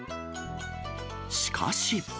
しかし。